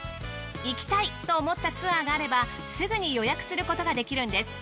行きたいと思ったツアーがあればすぐに予約することができるんです。